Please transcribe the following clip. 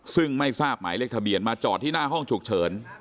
ซึ่งไม่ทราบหมายเลขทะเบียนมาจอดที่หน้าห้องฉุกเฉิน